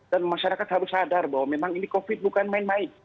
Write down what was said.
dan masyarakat harus sadar bahwa memang ini covid bukan main main